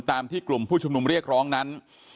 ตามที่กลุ่มผู้ชุมนุมเรียกร้องนั้น